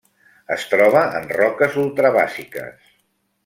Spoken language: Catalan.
Es troba en roques ultrabàsiques.